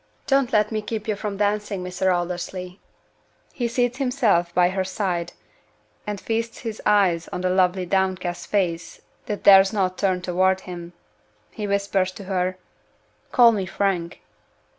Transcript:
"Don't let me keep you from dancing, Mr. Aldersley." He seats himself by her side, and feasts his eyes on the lovely downcast face that dares not turn toward him. He whispers to her: "Call me Frank."